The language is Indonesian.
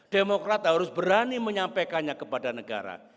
demokrat harus berani menyampaikannya kepada negara